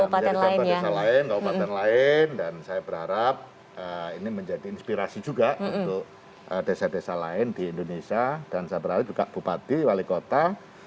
menjadi contoh desa lain kabupaten lain dan saya berharap ini menjadi inspirasi juga untuk desa desa lain di indonesia dan saya berharap juga bupati wali kota